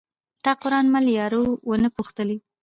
تا قران مل یارو ونه پوښتلئ